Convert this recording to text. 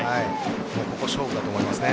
ここは勝負だと思いますね。